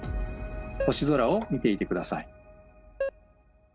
星空を見ていて下さい。